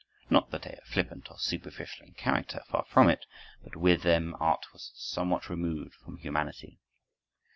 Not that they are flippant or superficial in character; far from it; but with them art was somewhat removed from humanity.